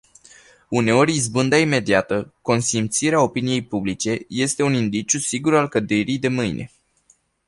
Uneori izbânda imediată, consimțirea opiniei publice, este un indiciu sigur al căderii de mâine.